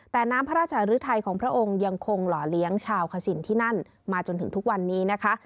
แต่น้ำพระราชหรือไทยของพระองค์ยังคงหล่อเลี้ยงชาวขสินที่นั่นมาจนถึงทุกวันนี้นะคะ